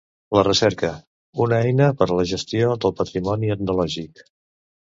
La recerca: una eina per a la gestió del patrimoni etnològic.